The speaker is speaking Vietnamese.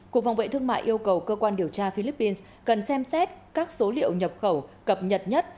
cục phòng vệ thương mại yêu cầu cơ quan điều tra philippines cần xem xét các số liệu nhập khẩu cập nhật nhất